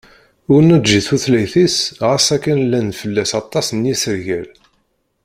Ur neǧǧi tutlayt-is ɣas akken llan-d fell-as aṭas n yisergal.